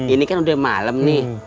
ini kan udah malam nih